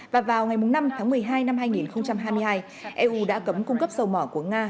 và vào ngày năm tháng một mươi hai năm hai nghìn hai mươi hai eu đã cấm cung cấp dầu mỏ của nga